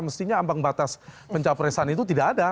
mestinya ambang batas pencapresan itu tidak ada